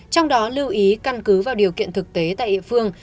trong đó lưu ý căn cứ vào điều kiện thực tế tại địa phương